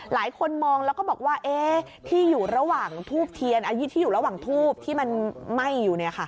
หลายคนมองแล้วก็บอกว่าที่อยู่ระหว่างทูบที่มันไหม้อยู่